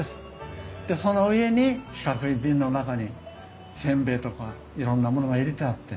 でその上に四角い瓶の中に煎餅とかいろんなものが入れてあって。